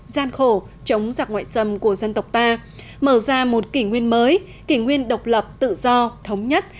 gian khổ chống giặc ngoại xâm của dân tộc ta mở ra một kỷ nguyên mới kỷ nguyên độc lập tự do thống nhất